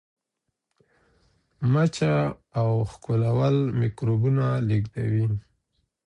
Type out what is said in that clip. مچه او ښکلول میکروبونه لیږدوي.